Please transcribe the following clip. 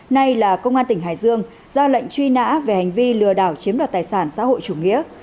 nay là công an tỉnh hải dương ra lệnh truy nã về hành vi lừa đảo chiếm đoạt tài sản xã hội chủ nghĩa